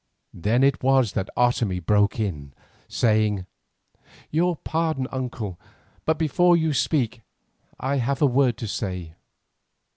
Then it was that Otomie broke in, saying: "Your pardon, my uncle, but before you speak I have a word to say.